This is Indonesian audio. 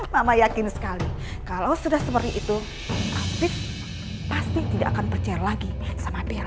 mama yakin sekali kalau sudah seperti itu apik pasti tidak akan percaya lagi sama dia